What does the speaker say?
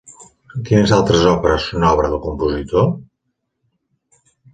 Quines altres òperes són obra del compositor?